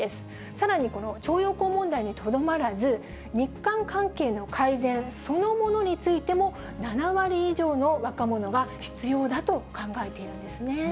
さらにこの徴用工問題にとどまらず、日韓関係の改善そのものについても、７割以上の若者が必要だと考えているんですね。